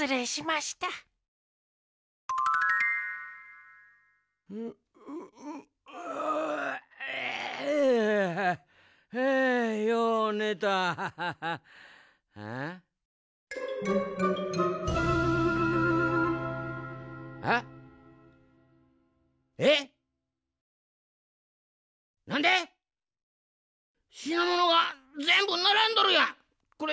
しなものがぜんぶならんどるやん！